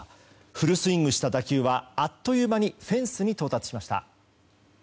フルスイングした打球はあっという間にフェンスに到達しました。